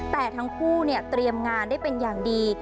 แต่ทั้งคู่เนี่ยเตรียมงานได้เป็นอย่างดี